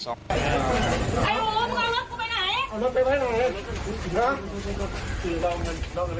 ไอ้โหมึงเอาละมึงไปไหน